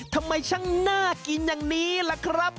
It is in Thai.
ทำไมช่างน่ากินอย่างนี้ล่ะครับ